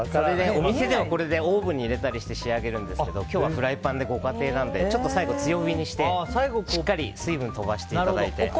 お店では、これでオーブンに入れたりして仕上げるんですけど今日はフライパンでご家庭なのでちょっと最後、強火にしてしっかり水分飛ばしていただいて。